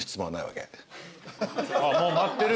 もう待ってる。